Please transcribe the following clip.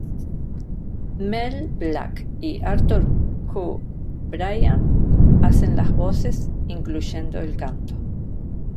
Mel Blanc y Arthur Q. Bryan hacen las voces, incluyendo el canto.